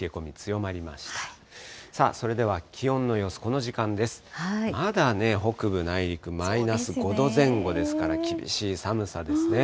まだね、北部内陸、マイナス５度前後ですから、厳しい寒さですね。